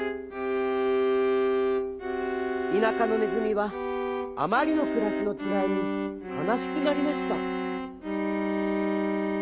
田舎のねずみはあまりのくらしのちがいにかなしくなりました。